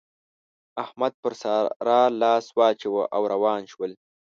احمد پر سارا لاس واچاوو او روان شول.